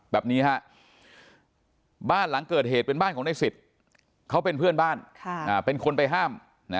แบบนี้ฮะบ้านหลังเกิดเหตุเป็นบ้านของในสิทธิ์เขาเป็นเพื่อนบ้านเป็นคนไปห้าม